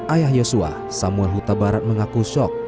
ayah yosua samuel huta barat mengaku shock